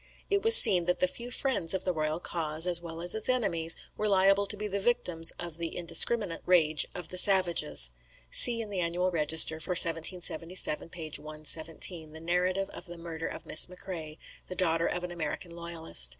It was seen that the few friends of the royal cause, as well as its enemies, were liable to be the victims of the indiscriminate rage of the savages;" [See in the "Annual Register" for 1777, p.117, the "Narrative of the Murder of Miss M'Crea, the daughter of an American loyalist."